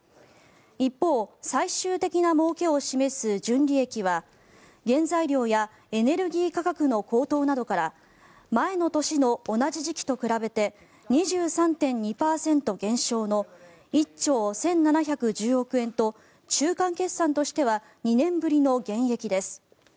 一方、最終的なもうけを示す純利益は原材料やエネルギー価格の高騰などから前の年の同じ時期と比べて２３．２％減少の１兆１７１０億円と中間決算としては２年ぶりの減益です。